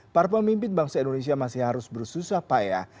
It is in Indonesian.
parpemimpin bangsa indonesia masih harus bersusah payah